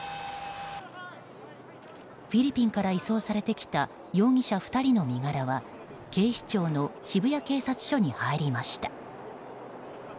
フィリピンから移送されてきた容疑者２人の身柄は警視庁の渋谷警察署に入りました。